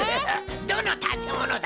どの建物だ？